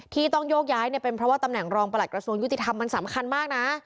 ที่ต้องโยกย้ายเนี่ยเป็นเพราะว่าตำแหน่งรองประหลัดกระทรวงยุติธรรมมันสำคัญมากนะ